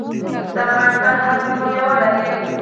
د افغانستان هره سیمه میوه لري.